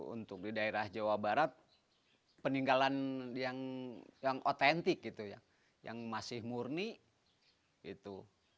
untuk di daerah jawa barat peninggalan yang yang otentik gitu ya yang masih murni itu